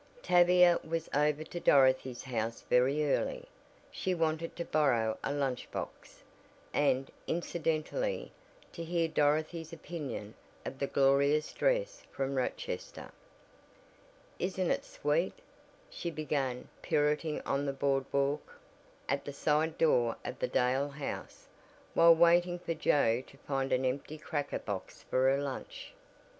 Tavia was over to Dorothy's house very early. She wanted to borrow a lunch box, and, incidentally, to hear Dorothy's opinion of the "glorious dress" from Rochester. "Isn't it sweet?" she began pirouetting on the board walk, at the side door of the Dale house, while waiting for Joe to find an empty cracker box for her lunch.